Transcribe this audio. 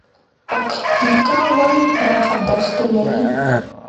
پکتیکا ولې پراخه دښتې لري؟